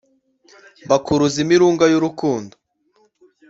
mbakuruza imirunga y urukundo